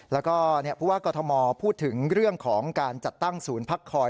แล้วก็ผู้ว่ากรทมพูดถึงเรื่องของการจัดตั้งศูนย์พักคอย